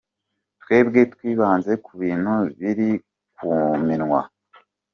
Twebwe twibanze ku bintu biri ku minwa.